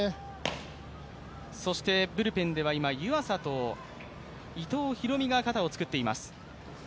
ブルペンでは今、湯浅と伊藤大海が今、肩を作っています。